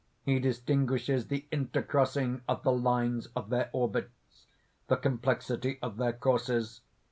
He distinguishes the intercrossing of the lines of their orbits, the complexity of their courses.